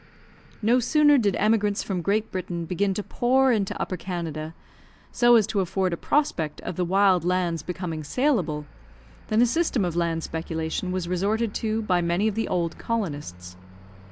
No sooner did emigrants from Great Britain begin to pour into Upper Canada, so as to afford a prospect of the wild lands becoming saleable, than a system of land speculation was resorted to by many of the old colonists.